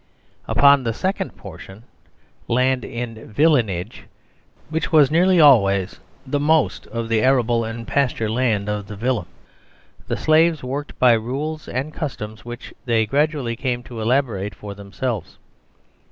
Upon the second portion, " Land in Villenage," which was nearly always the most of the arable and pasture land of the Villa, the Slaves worked by rules and customs which they gradually came to elaborate for themselves.